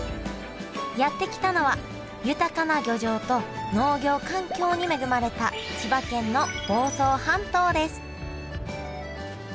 やって来たのは豊かな漁場と農業環境に恵まれた千葉県の房総半島です